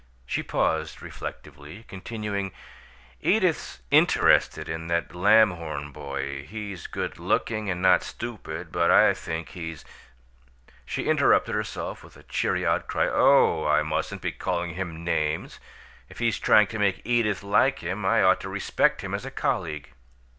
She paused reflectively, continuing, "Edith's 'interested' in that Lamhorn boy; he's good looking and not stupid, but I think he's " She interrupted herself with a cheery outcry: "Oh! I mustn't be calling him names! If he's trying to make Edith like him, I ought to respect him as a colleague."